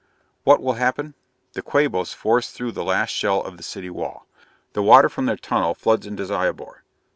"What will happen? The Quabos force through the last shell of the city wall. The water from their tunnel floods into Zyobor.